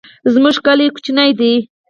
زمونږ کلی کوچنی دی